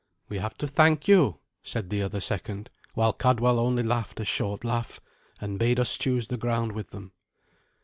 "We have to thank you," said the other second, while Cadwal only laughed a short laugh, and bade us choose the ground with them.